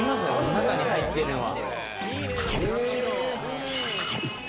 中に入ってるのは。